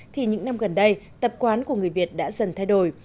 thì những năm gần đây tập quán của người việt đã dần thay đổi